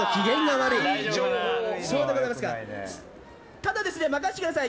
ただ、任せてください。